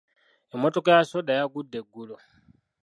Emmotoka ya sooda yagudde eggulo.